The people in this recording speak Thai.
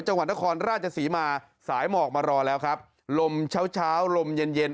จังหวัดนครราชศรีมาสายหมอกมารอแล้วครับลมเช้าเช้าลมเย็นเย็น